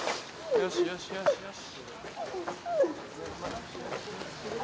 よしよしよしよし・